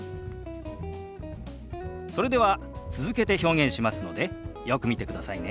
それでは続けて表現しますのでよく見てくださいね。